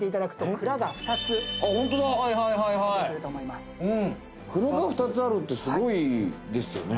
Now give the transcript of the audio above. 蔵が２つあるってスゴいですよね。